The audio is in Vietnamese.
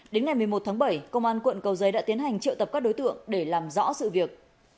đến ngày một mươi một tháng bảy công an quận cầu giấy đã tiến hành triệu tập các đối tượng để làm rõ sự việc